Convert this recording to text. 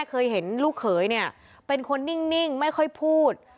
เคยเห็นลูกเขยเนี่ยเป็นคนนิ่งไม่ค่อยพูด